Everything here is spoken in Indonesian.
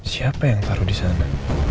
siapa yang taruh di sana